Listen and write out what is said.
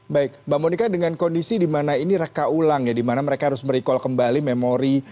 baik mbak monika dengan kondisi dimana ini reka ulang ya dimana mereka harus berikul kembali memori